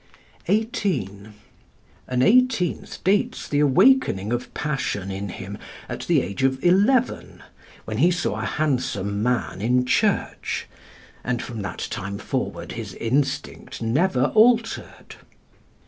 (18) An eighteenth dates the awakening of passion in him at the age of eleven, when he saw a handsome man in church; and from that time forward his instinct never altered.